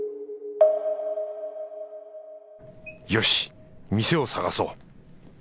よし店を探そう